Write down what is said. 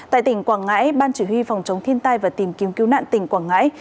tại tỉnh quảng ngãi ban chỉ huy phòng chống thiên tai và tìm kiếm cứu nạn tỉnh quảng ngãi